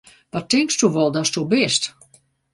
Wa tinksto wol datsto bist!